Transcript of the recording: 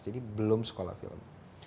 jadi belum sekolah film